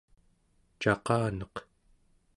caqaneq